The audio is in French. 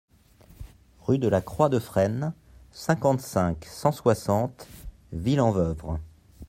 Rue de la Croix de Fresnes, cinquante-cinq, cent soixante Ville-en-Woëvre